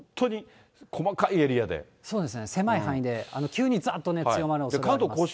もう超、そうですね、狭い範囲で急にざっと強まるおそれがあります。